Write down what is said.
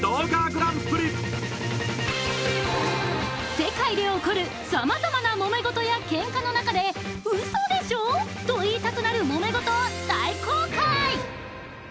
世界で起こる様々な揉め事や喧嘩の中でウソでしょ！？と言いたくなる揉め事を大公開！